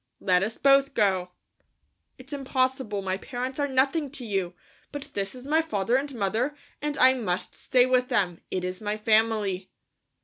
Let us both go." "It's impossible; my parents are nothing to you, but this is my father and mother, and I must stay with them. It is my family."